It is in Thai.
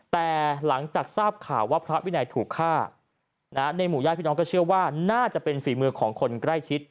แต่หลังจากทราบข่าวว่าพระวินัยถูกฆ่าในหมู่ญาติพี่น้องก็เชื่อว่าน่าจะเป็นฝีมือของคนใกล้ชิด